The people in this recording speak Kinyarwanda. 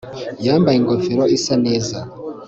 Yambaye ingofero isa neza